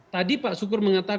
tadi pak syukur mengatakan